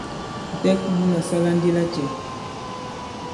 Ǹtɛk mu la sala ndi lacɛ ?